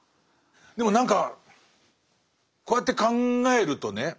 でも何かこうやって考えるとね